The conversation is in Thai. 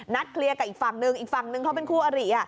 เคลียร์กับอีกฝั่งหนึ่งอีกฝั่งนึงเขาเป็นคู่อริ